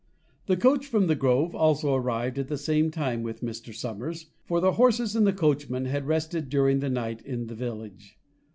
The coach from The Grove also arrived at the same time with Mr. Somers, for the horses and coachman had rested during the night in the village.